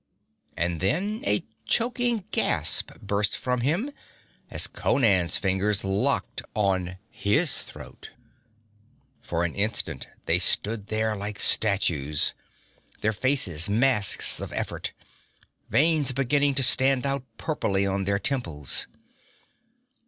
And then a choking gasp burst from him as Conan's fingers locked on his throat. For an instant they stood there like statues, their faces masks of effort, veins beginning to stand out purply on their temples.